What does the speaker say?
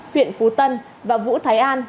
huyện phú tân và vũ thái an